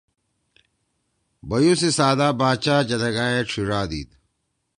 بیُو سی ساعدا باچا جدَگا ئے ڇھیِڙا دیِد: